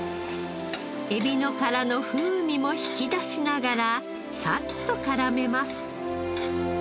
えびの殻の風味も引き出しながらさっと絡めます。